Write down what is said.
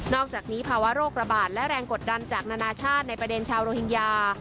อกจากนี้ภาวะโรคระบาดและแรงกดดันจากนานาชาติในประเด็นชาวโรฮิงญา